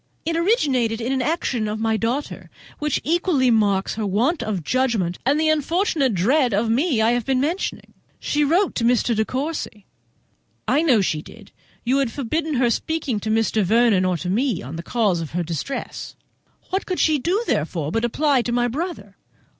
"It originated in an action of my daughter's, which equally marks her want of judgment and the unfortunate dread of me I have been mentioning—she wrote to Mr. De Courcy." "I know she did; you had forbidden her speaking to Mr. Vernon or to me on the cause of her distress; what could she do, therefore, but apply to my brother?"